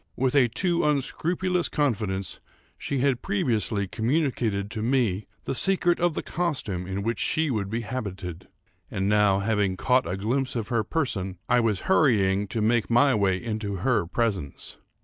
With a too unscrupulous confidence she had previously communicated to me the secret of the costume in which she would be habited, and now, having caught a glimpse of her person, I was hurrying to make my way into her presence.